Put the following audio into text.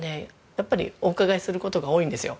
やっぱりお伺いする事が多いんですよ。